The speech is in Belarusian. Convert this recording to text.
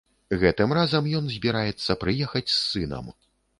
Гэтым разам ён збіраецца прыехаць з сынам.